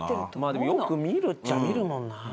でもよく見るっちゃ見るもんな。